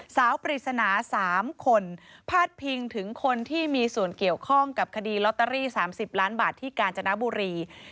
ปริศนา๓คนพาดพิงถึงคนที่มีส่วนเกี่ยวข้องกับคดีลอตเตอรี่๓๐ล้านบาทที่กาญจนบุรี